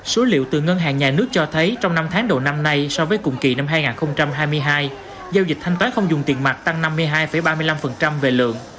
số liệu từ ngân hàng nhà nước cho thấy trong năm tháng đầu năm nay so với cùng kỳ năm hai nghìn hai mươi hai giao dịch thanh toán không dùng tiền mặt tăng năm mươi hai ba mươi năm về lượng